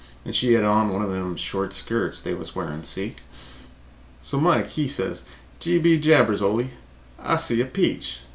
And she had on one of them short skirts they was wearing, see? So Mike he says 'Gee be jabbers, Ole, I see a peach.'